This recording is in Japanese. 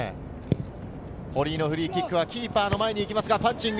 堀井のフリーキックはキーパーの前に行きますが、パンチング。